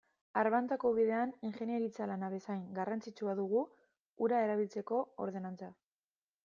Arbantako ubidean ingeniaritza lana bezain garrantzitsua dugu ura erabiltzeko ordenantza.